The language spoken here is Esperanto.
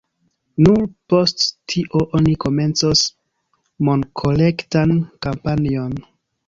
Nur post tio oni komencos monkolektan kampanjon.